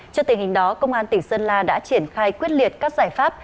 trước tình hình đó công an tỉnh sơn la đã triển khai quyết liệt các giải pháp